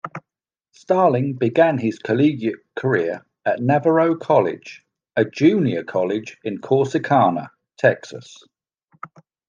Starling began his collegiate career at Navarro College, a junior college in Corsicana, Texas.